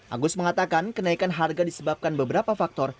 agus mengatakan kenaikan harga disebabkan beberapa faktor